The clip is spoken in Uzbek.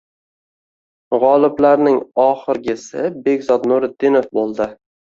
G'oliblarning oxirgisi Bekzod Nuriddinov bo'ldi